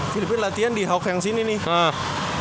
filipina latihan di hawk yang sini nih